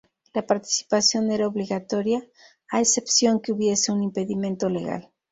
La participación era obligatoria a excepción que hubiese un impedimento legal.